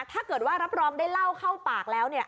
ถ้าเกิดว่ารับรองได้เล่าเข้าปากแล้ว